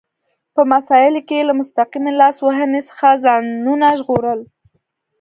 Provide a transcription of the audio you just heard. په مسایلو کې یې له مستقیمې لاس وهنې څخه ځانونه ژغورل.